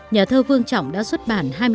nhà thơ vương trọng đã xuất bản